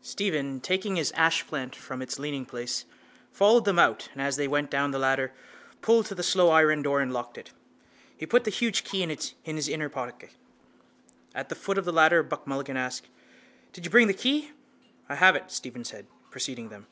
Stephen, taking his ashplant from its leaningplace, followed them out and, as they went down the ladder, pulled to the slow iron door and locked it. He put the huge key in his inner pocket. At the foot of the ladder Buck Mulligan asked: —Did you bring the key? —I have it, Stephen said, preceding them.